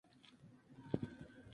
Debutó en el equipo navarro Reynolds.